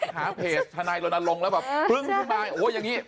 หาเพจทนายโรนาลงแล้วแบบปึ๊งขึ้นมาโอ้ยอย่างนี้